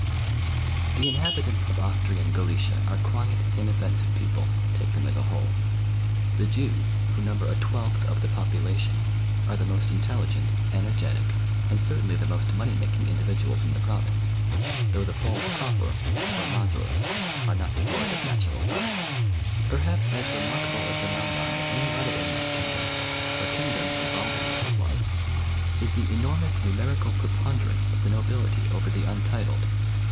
The inhabitants of Austrian Galicia are quiet, inoflfensive people, take them as a whole. The Jews, who number a twelfth of the population, are the most intelligent, energetic, and certainly the most money making in dividuals in the province, though the Poles proper, or Mazurs, are not devoid of natural parts; Perhaps as remarkable a phenomenon as any other in that kingdom — for kingdom of Waldimir it was — is the enormous numerical preponderance of the nobility over the untitled.